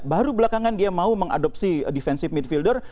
baru belakangan dia mau mengadopsi defensive midfielder